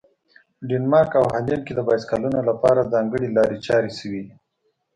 په ډنمارک او هالند کې د بایسکلونو لپاره ځانګړي لارې چارې شوي دي.